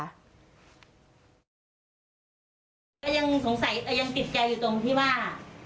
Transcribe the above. ก็ยังสงสัยแต่ยังติดใจอยู่ตรงที่ว่า